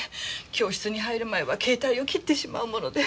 教室に入る前は携帯を切ってしまうもので。